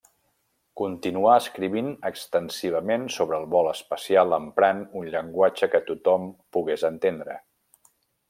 Continuà escrivint extensivament sobre el vol espacial emprant un llenguatge que tothom pogués entendre.